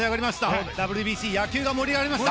ＷＢＣ、野球が盛り上がりました。